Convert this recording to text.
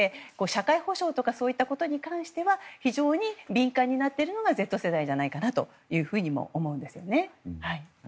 社会保障とかそういったことに関しては非常に敏感になっているのがＺ世代じゃないかなとも思うんですよね。